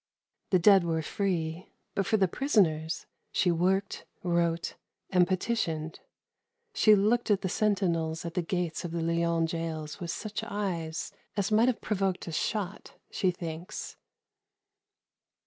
The dead were free, but for the prisoners she worked, wrote, and petitioned. She looked at the sentinels at the gates of the Lyons gaols with such eyes as might have provoked a shot, she thinks.